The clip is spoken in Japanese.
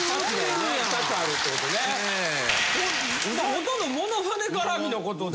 ほとんどモノマネ絡みのことで。